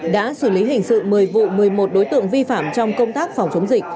đã xử lý hình sự một mươi vụ một mươi một đối tượng vi phạm trong công tác phòng chống dịch